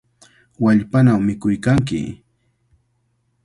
¡Wallpanaw mikuykanki!